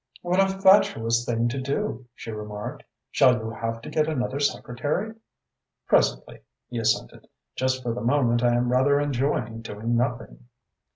"What a fatuous thing to do!" she remarked. "Shall you have to get another secretary?" "Presently," he assented. "Just for the moment I am rather enjoying doing nothing."